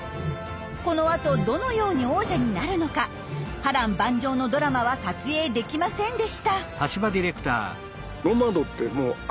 このあとどのように王者になるのか波乱万丈のドラマは撮影できませんでした。